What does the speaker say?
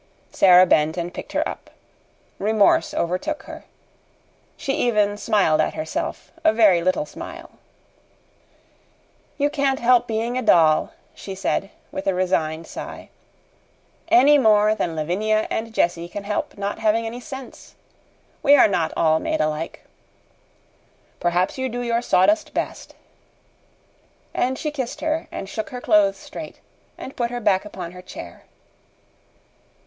Sara bent and picked her up. Remorse overtook her. She even smiled at herself a very little smile. "You can't help being a doll," she said with a resigned sigh, "any more than Lavinia and Jessie can help not having any sense. We are not all made alike. Perhaps you do your sawdust best." And she kissed her and shook her clothes straight, and put her back upon her chair.